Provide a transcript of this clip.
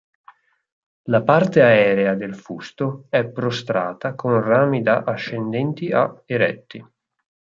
La parte aerea del fusto è prostrata con rami da ascendenti a eretti.